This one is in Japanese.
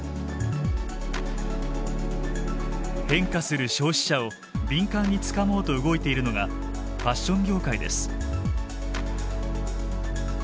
変化する消費者を敏感につかもうと動いているのがファッション業界です。